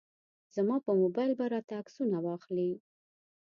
زما په موبایل به راته عکسونه واخلي.